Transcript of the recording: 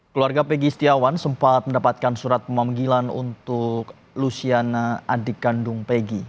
keluarga pegi setiawan sempat mendapatkan surat pemanggilan untuk luciana adik kandung peggy